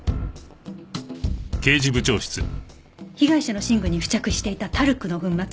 被害者の寝具に付着していたタルクの粉末